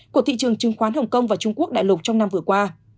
của thị trường chứng khoán hồng kông và trung quốc đại lục trong năm vừa qua